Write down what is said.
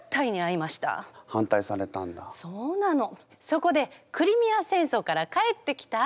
そこでクリミア戦争から帰ってきた